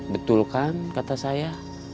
betul kan kata saya